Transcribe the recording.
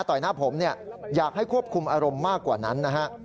ต่อยหน้าผมอยากให้ควบคุมอารมณ์มากกว่านั้นนะฮะ